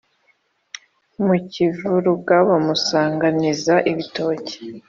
mu kivuruga bamusanganiza ibitoki,